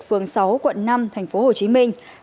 phường sáu quận năm tp hcm